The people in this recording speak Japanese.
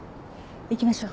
行きましょう。